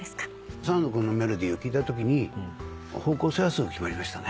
澤野君のメロディーを聞いたときに方向性はすぐ決まりましたね。